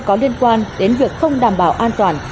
có liên quan đến việc không đảm bảo an toàn